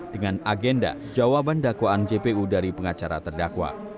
dengan agenda jawaban dakwaan jpu dari pengacara terdakwa